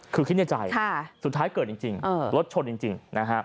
คือคิดในใจสุดท้ายเกิดจริงรถชนจริงนะฮะ